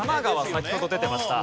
先ほど出てました。